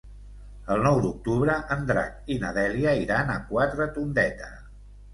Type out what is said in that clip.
El nou d'octubre en Drac i na Dèlia iran a Quatretondeta.